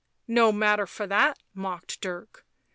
" No matter for that," mocked Dirk.